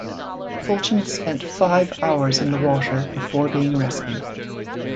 Fulton spent five hours in the water before being rescued.